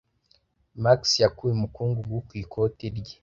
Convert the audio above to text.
Max yakuye umukungugu ku ikoti rye